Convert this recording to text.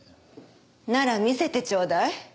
なら見せてちょうだい。